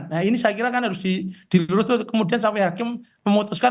nah ini saya kira kan harus dilurus kemudian sampai hakim memutuskan